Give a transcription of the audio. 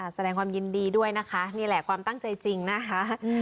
แสดงความยินดีด้วยนะคะนี่แหละความตั้งใจจริงนะคะ